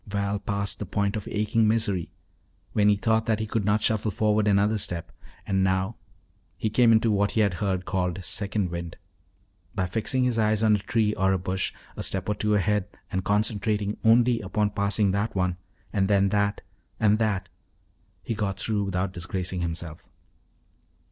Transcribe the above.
Val passed the point of aching misery when he thought that he could not shuffle forward another step and now he came into what he had heard called "second wind." By fixing his eyes on a tree or a bush a step or two ahead and concentrating only upon passing that one, and then that, and that, he got through without disgracing himself.